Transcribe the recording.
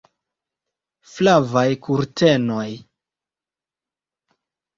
Flavaj kurtenoj!